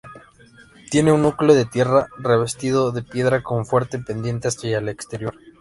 Tiene un núcleo de tierra revestido de piedra con fuerte pendiente hacia el exterior.